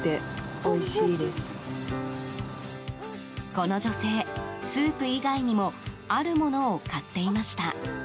この女性、スープ以外にもあるものを買っていました。